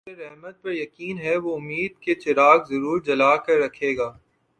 جسے رحمت پر یقین ہے وہ امید کے چراغ ضرور جلا کر رکھے گا